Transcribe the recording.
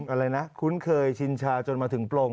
อะไรนะคุ้นเคยชินชาจนมาถึงปลง